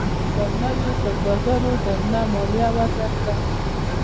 پر نویو سوداګرو درنه مالیه وضعه کړه.